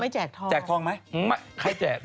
แจกทองไหมใครแจก